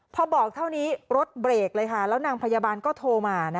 พอบอกเท่านี้รถเบรกเลยค่ะแล้วนางพยาบาลก็โทรมา